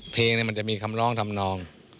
เพลงเนี่ยมันจะมีคำล้องทำนอง